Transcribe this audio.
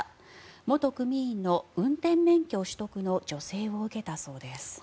元組員の運転免許取得の助成を受けたそうです。